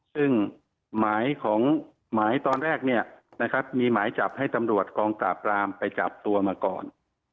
ซึ่งหมายตอนแรกมีหมายจับให้ตำรวจกองตราบรามไปจับตัวมาก่อน